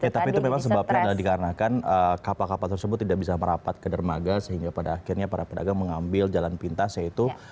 tapi itu memang sebabnya adalah dikarenakan kapal kapal tersebut tidak bisa merapat ke dermaga sehingga pada akhirnya para pedagang mengambil jalan pintas yaitu